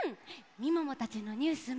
みももたちのニュースも。